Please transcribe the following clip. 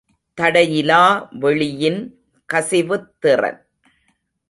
தடையிலா வெளியின் கசிவுத் திறன்.